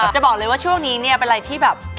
จะบอกเลยว่าช่วงนี้เนี่ยเป็นอะไรที่แบบ